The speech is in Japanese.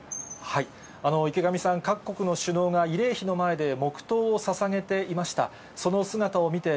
池上さん、各国の首脳が慰霊碑の前で黙とうをささげていました。